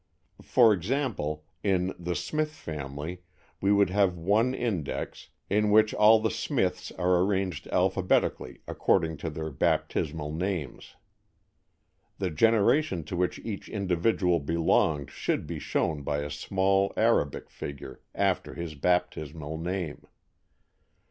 For example, in "The Smith Family" we would have one index, in which all the Smiths are arranged alphabetically according to their baptismal names. The generation to which each individual belonged should be shown by a small Arabic figure after his baptismal name.